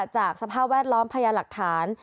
สภาพแวดล้อมพญาหลักฐาน